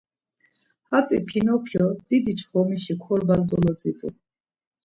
Hatzi Pinokyo didi çxomişi korbaşi dolodzit̆u.